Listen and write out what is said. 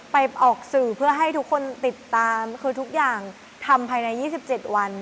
ออกสื่อเพื่อให้ทุกคนติดตามคือทุกอย่างทำภายใน๒๗วัน